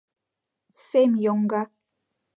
Сем йоҥга.